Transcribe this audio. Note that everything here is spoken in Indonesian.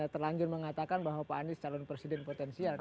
terlanjur mengatakan bahwa pak anies calon presiden potensial